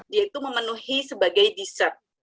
yaitu memenuhi sebagai dessert